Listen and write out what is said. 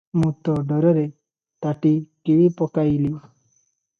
ମୁଁ ତ ଡରରେ ତାଟି କିଳିପକାଇଲି ।